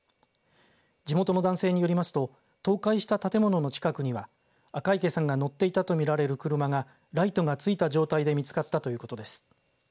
地元の男性によりますと倒壊した建物の近くには赤池さんが乗っていたと見られる車がライトがついた状態で見つかったということです。